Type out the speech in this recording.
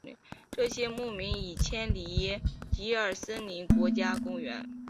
这些牧民现已迁离吉尔森林国家公园。